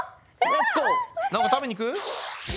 なんか食べに行く？